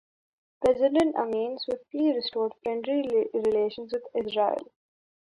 President Amin swiftly restored friendly relations with Israel.